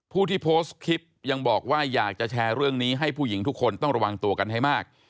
ผู้ที่โพสต์คลิปยังบอกว่าอยากจะแชร์เรื่องนี้ให้ผู้หญิงทุกคนต้องระวังตัวกันให้มาก